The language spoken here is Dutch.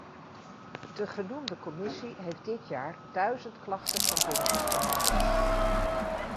De genoemde commissie heeft dit jaar duizend klachten van burgers behandeld.